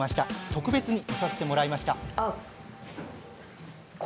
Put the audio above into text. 特別に見させてもらいました。